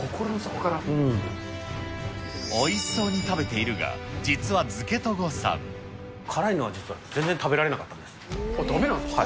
おいしそうに食べているが、辛いのは実は全然食べられなだめなんですか？